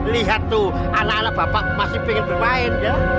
lihat tuh anak anak bapak masih ingin bermain